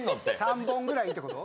３本ぐらいってこと？